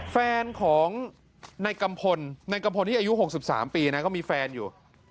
แฟนของนายกัมพลนายกัมพลที่อายุ๖๓ปีนะก็มีแฟนอยู่